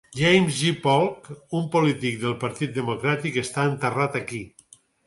James G. Polk, un polític del partir democràtic, està enterrat aquí.